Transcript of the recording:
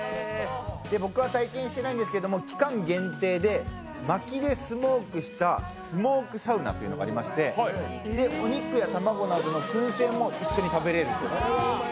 僕は最近してないんですけれども、期間限定でまきでスモークしたスモークサウナというのがありましてお肉や卵などのくん製も一緒に食べられるという。